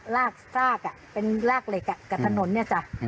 ลากซากเป็นรากเหล็กกับถนนเนี่ยจ้ะ